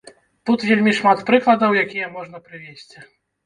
Тут вельмі шмат прыкладаў, якія можна прывесці.